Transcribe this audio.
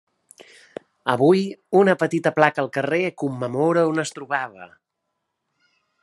Avui una petita placa al carrer commemora on es trobava.